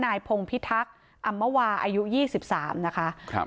นายพงพิทักษ์อำมวาอายุ๒๓นะคะ